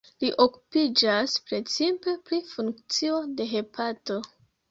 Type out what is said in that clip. Li okupiĝas precipe pri funkcio de hepato.